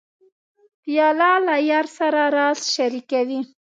پیاله له یار سره راز شریکوي.